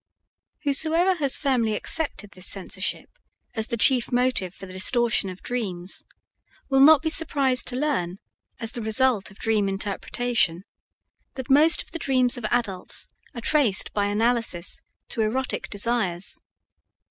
Whosoever has firmly accepted this censorship as the chief motive for the distortion of dreams will not be surprised to learn as the result of dream interpretation that most of the dreams of adults are traced by analysis to erotic desires.